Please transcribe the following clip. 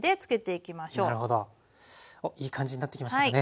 いい感じになってきましたかね。